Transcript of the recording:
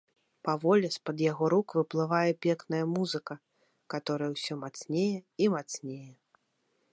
Паволі з-пад яго рук выплывае пекная музыка, каторая ўсё мацнее і мацнее.